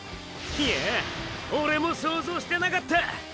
いやオレも想像してなかった。